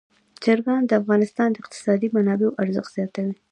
چرګان د افغانستان د اقتصادي منابعو ارزښت زیاتوي.